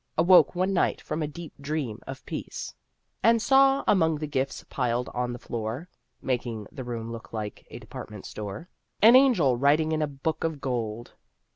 Awoke one night from a deep dream of peace, And saw, among the gifts piled on the floor (Making the room look like a department store), An Angel writing in a book of gold.